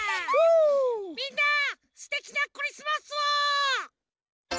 みんなすてきなクリスマスを！